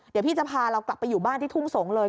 เดี๋ยวพี่จะพาเรากลับไปอยู่บ้านที่ทุ่งสงศ์เลย